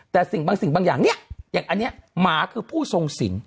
แต่สิ่งบางสิ่งบางอย่างเนี่ยอย่างอันนี้หมาคือผู้ทรงสิง